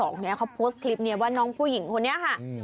เขาโพสต์คลิปว่าน้องผู้หญิงคนนี้ค่ะ